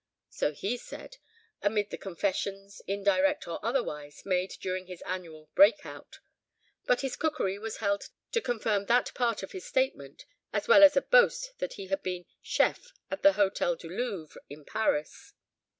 So he said, amid the confessions, indirect or otherwise, made during his annual "break out." But his cookery was held to confirm that part of his statement, as well as a boast that he had been chef at the Hôtel du Louvre in Paris.